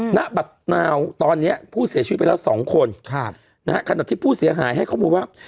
ณบัตรนาวตอนนี้ผู้เสียชีวิตไปแล้ว๒คนขณะที่ผู้เสียหายให้ข้อมูลว่า